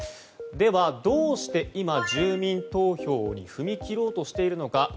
では、どうして今、住民投票に踏み切ろうとしているのか